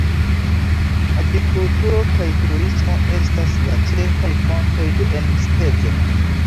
Agrikulturo kaj turismo estas la ĉefaj fontoj de enspezo.